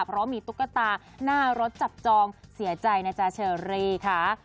เพราะว่ามีตุ๊กตาหน้ารถจับจองเสียใจนะจ๊ะเชอรี่ค่ะ